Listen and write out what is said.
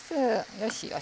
よしよし。